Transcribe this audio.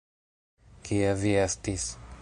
Kie vi estis?